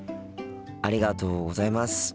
ありがとうございます。